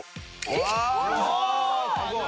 うわっすごい！